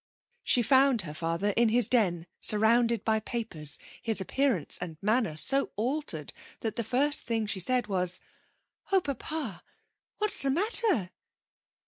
She found her father in his den surrounded by papers, his appearance and manner so altered that the first thing she said was: 'Oh, papa! what's the matter?'